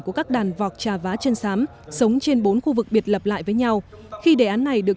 của các đàn vọc trà vá chân sám sống trên bốn khu vực biệt lập lại với nhau khi đề án này được